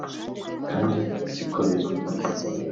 kandi si ko biri